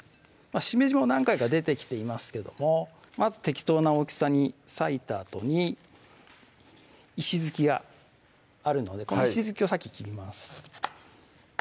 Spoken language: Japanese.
しめじも何回か出てきていますけどもまず適当な大きさに割いたあとに石突きがあるのでこの石突きを先切ります